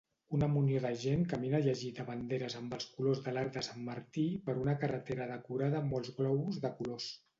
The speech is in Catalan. Una munió de gent camina i agita banderes amb els colors de l'arc de Sant Martí per una carretera decorada amb molts globus de colors.